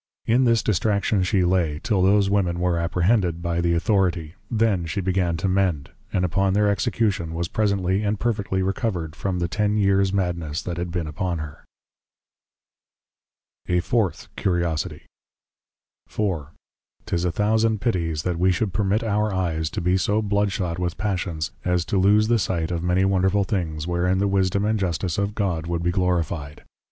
In this Distraction she lay, till those women were Apprehended, by the Authority; then she began to mend; and upon their Execution, was presently and perfectly Recovered, from the ten years madness that had been upon her. A FOURTH CURIOSITIE. IV. 'Tis a thousand pitties, that we should permit our Eyes, to be so Blood shot with passions, as to loose the sight of many wonderful things, wherein the Wisdom and Justice of God, would be Glorify'd.